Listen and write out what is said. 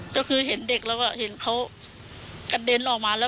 ก็คือเห็นเด็กแล้วก็เห็นเขากระเด็นออกมาแล้ว